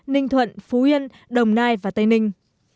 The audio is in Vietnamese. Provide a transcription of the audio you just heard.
ninh thuận phú yên đồng nai và tây ninh